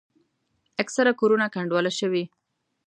اکثره کورونه کنډواله شوي.